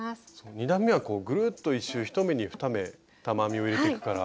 ２段めはぐるっと１周１目に２目玉編みを入れてくから。